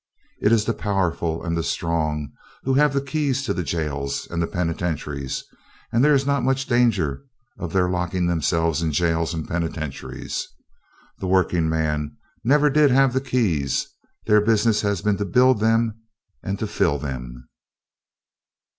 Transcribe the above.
It is the powerful and the strong who have the keys to the jails and the penitentiaries, and there is not much danger of their locking themselves in jails and penitentiaries. The working man never did have the keys. Their business has been to build them and to fill them.